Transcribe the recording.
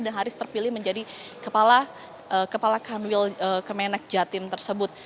dan haris terpilih menjadi kepala kantor wilayah kementerian agama wilayah jawa timur tersebut